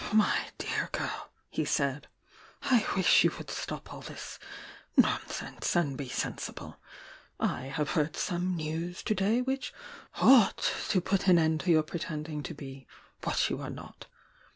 "Mv dear girl," he said. "I wish you would stop all this nonsense and be sensible ! I have heard some news to day which ought to put an end to your pre tending to be what you are not.